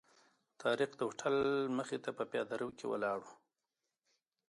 طارق د هوټل مخې ته په پیاده رو کې ولاړ و.